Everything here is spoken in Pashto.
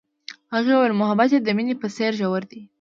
هغې وویل محبت یې د مینه په څېر ژور دی.